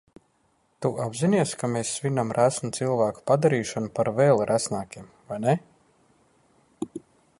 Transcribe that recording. Tu apzinies, ka mēs svinam resnu cilvēku padarīšanu par vēl resnākiem, vai ne?